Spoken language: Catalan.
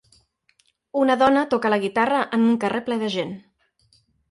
Una dona toca la guitarra en un carrer ple de gent.